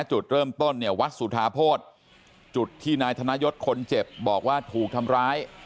จุดเริ่มต้นเนี่ยวัดสุธาโภษจุดที่นายธนยศคนเจ็บบอกว่าถูกทำร้าย